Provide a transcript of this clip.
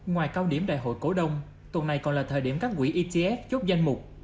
ngoài cao điểm đại hội cổ đông tuần này còn là thời điểm các quỹ etf chốt danh mục